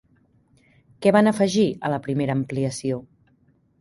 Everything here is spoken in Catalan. Què van afegir a la primera ampliació?